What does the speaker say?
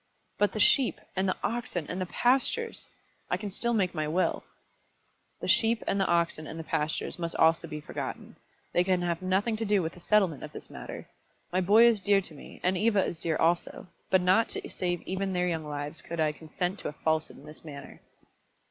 "But the sheep, and the oxen, and the pastures! I can still make my will." "The sheep, and the oxen, and the pastures must also be forgotten. They can have nothing to do with the settlement of this matter. My boy is dear to me, and Eva is dear also, but not to save even their young lives could I consent to a falsehood in this matter."